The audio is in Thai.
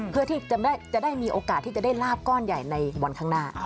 เพื่อที่จะได้มีโอกาสที่จะได้ลาบก้อนใหญ่ในวันข้างหน้า